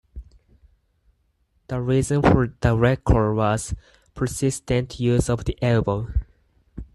The reason for the red card was "persistent use of the elbow".